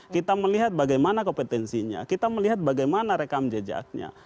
kita melihat bagaimana kompetensinya kita melihat bagaimana rekam jejaknya